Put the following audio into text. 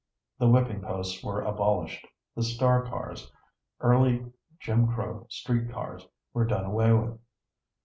The whipping posts were abolished; the star cars early Jim Crow street cars were done away with.